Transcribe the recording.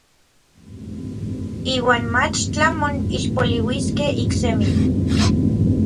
Iuan mach tlamon ixpoliuiskej iksemi.